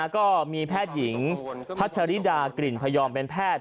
ก็มีแพทย์หญิงพัชริดากลิ่นพยอมเป็นแพทย์